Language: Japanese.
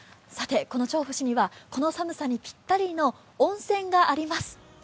調布市にはこの寒さにぴったりの温泉があります。